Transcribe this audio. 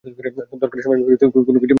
দরকারের সময়ে কোনোকিছুই খুঁজে পাই না।